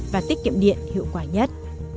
và tiết kiệm điện hiệu quả nhất